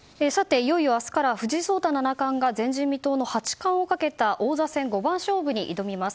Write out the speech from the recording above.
いよいよ明日から藤井聡太七冠が前人未到の八冠をかけた王座戦五番勝負に挑みます。